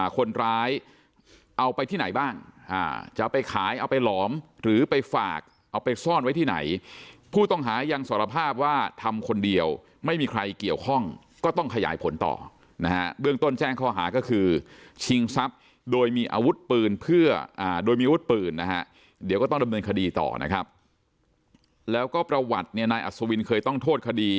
คนร้ายเอาไปที่ไหนบ้างจะไปขายเอาไปหลอมหรือไปฝากเอาไปซ่อนไว้ที่ไหนผู้ต้องหายังสารภาพว่าทำคนเดียวไม่มีใครเกี่ยวข้องก็ต้องขยายผลต่อนะฮะเบื้องต้นแจ้งข้อหาก็คือชิงทรัพย์โดยมีอาวุธปืนเพื่อโดยมีอาวุธปืนนะฮะเดี๋ยวก็ต้องดำเนินคดีต่อนะครับแล้วก็ประวัติเนี่ยนายอัศวินเคยต้องโทษคดี